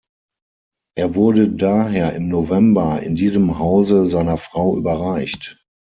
Er wurde daher im November in diesem Hause seiner Frau überreicht.